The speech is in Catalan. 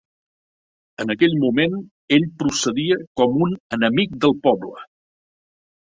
En aquell moment ell procedia com un enemic del poble.